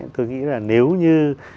tôi nghĩ là nếu như